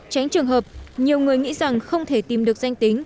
tránh trường hợp nhiều người nghĩ rằng không thể tìm được danh tính